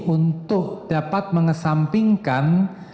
untuk dapat mengesampingkan